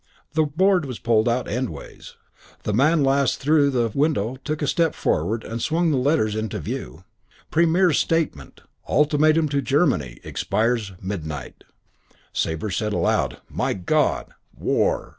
The board was pulled out endways. The man last through the window took a step forward and swung the letters into view. PREMIER'S STATEMENT ULTIMATUM TO GERMANY EXPIRES MIDNIGHT Sabre said aloud, "My God! War!"